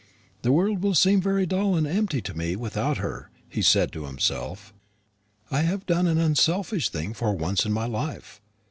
"The world will seem very dull and empty to me without her," he said to himself. "I have done an unselfish thing for once in my life.